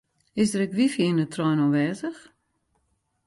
Is der ek wifi yn de trein oanwêzich?